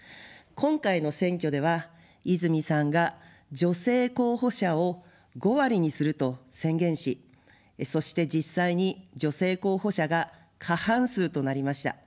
今回の選挙では泉さんが女性候補者を５割にすると宣言し、そして実際に女性候補者が過半数となりました。